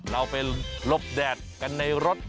เราไปลบแดดกันในรถ